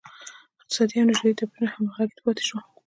اقتصادي او نژادي توپیرونه همغږي پاتې شول.